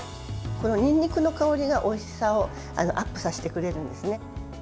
この、にんにくの香りがおいしさをアップさせてくれるんですね。